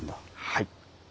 はい。